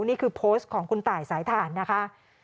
นี่คือโพสต์ของคุณตายสายฐานนะคะ